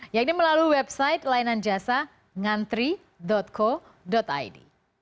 yang ini melalui website lainan jasa ngantri co id